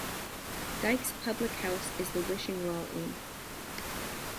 Dyke's public house is The Wishing Well Inn.